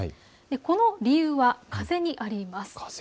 この理由は風にあります。